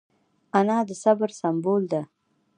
انا د صبر سمبول ده